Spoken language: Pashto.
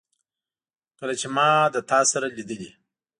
کله چي ما له تا سره لیدلې